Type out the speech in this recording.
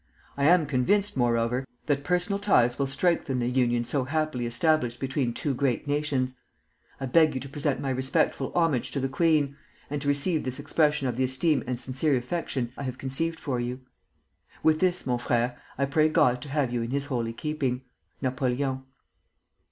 I am convinced, moreover, that personal ties will strengthen the union so happily established between two great nations. I beg you to present my respectful homage to the queen, and to receive this expression of the esteem and sincere affection I have conceived for you. With this, mon frère, I pray God to have you in his holy keeping. NAPOLEON.